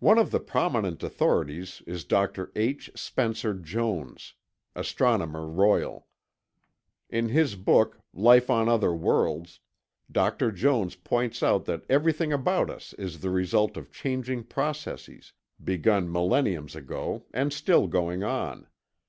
One of the prominent authorities is Dr. H. Spencer Jones, Astronomer Royal. In his book Life on Other Worlds, Dr. Jones points out that everything about us is the result of changing processes, begun millenniums ago and still going on.